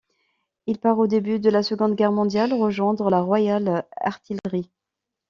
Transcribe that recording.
Il part au début de la Seconde Guerre mondiale rejoindre la Royal Artillery.